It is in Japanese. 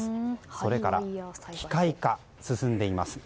それから、機械化が進んでいます。